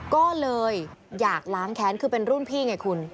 ก็เลยอยากล้างแค้นคือเป็นรุ่นพี่ไงคุณ